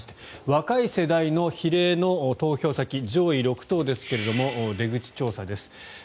若い世代の比例の投票先上位６党ですが出口調査です。